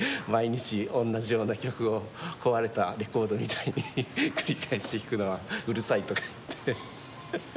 毎日おんなじような曲を壊れたレコードみたいに繰り返し弾くのはうるさいとか言って。